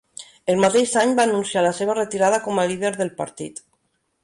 El mateix any, va anunciar la seva retirada com a líder del partit.